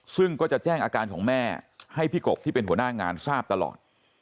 ซึ่งก็จะแจ้งอาการของแม่ให้พี่กบที่เป็นหัวหน้างานทราบตลอด